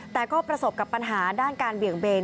แต่ก็ประสบกับปัญหาด้านการเบี่ยงเบน